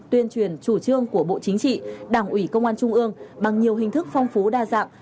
tuyên truyền chủ trương của bộ chính trị đảng ủy công an trung ương bằng nhiều hình thức phong phú đa dạng